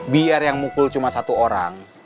biar yang mukul cuma satu orang